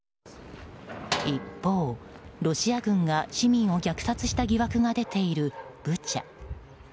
一方、ロシア軍が市民を虐殺した疑惑が出ているブチャ。